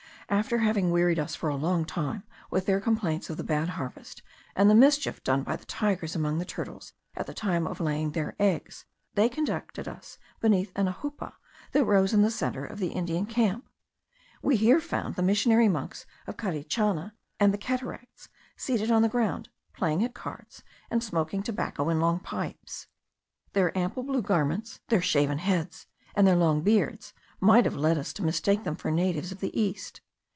After having wearied us for a long time with their complaints of the bad harvest, and the mischief done by the tigers among the turtles, at the time of laying their eggs, they conducted us beneath an ajoupa, that rose in the centre of the Indian camp. We here found the missionary monks of Carichana and the Cataracts seated on the ground, playing at cards, and smoking tobacco in long pipes. Their ample blue garments, their shaven heads, and their long beards, might have led us to mistake them for natives of the East.